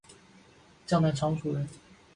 江南常熟人。